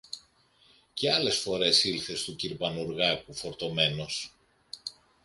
Και άλλες φορές ήλθε στου κυρ Πανουργάκου φορτωμένος